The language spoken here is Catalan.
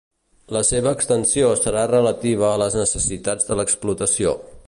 La seva extensió serà relativa a les necessitats de l'explotació.